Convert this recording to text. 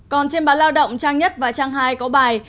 còn trên bản lao động trang một và trang hai có bài